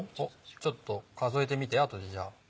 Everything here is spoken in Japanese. ちょっと数えてみて後でじゃあ。